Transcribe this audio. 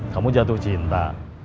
kamu jatuh cinta